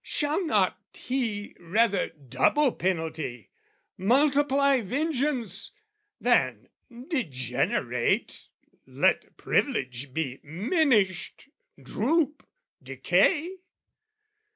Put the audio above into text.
Shall not he rather double penalty, Multiply vengeance, than, degenerate, Let privilege be minished, droop, decay?